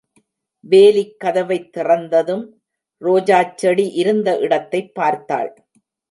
வேலிக் கதவைத் திறந்ததும், ரோஜாச் செடி இருந்த இடத்தைப் பார்த்தாள்.